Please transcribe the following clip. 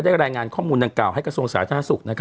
ได้แรงงานข้อมูลให้กระทรวงสาธาศูนย์